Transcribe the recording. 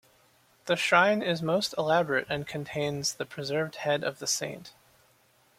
The shrine is most elaborate and contains the preserved head of the saint.